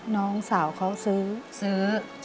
น้องสาวเขาซื้อ